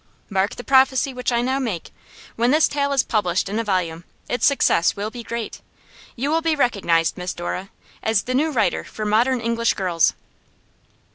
Mark the prophecy which I now make: when this tale is published in a volume its success will be great. You will be recognised, Miss Dora, as the new writer for modern English girls.